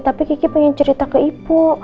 tapi kiki pengen cerita ke ibu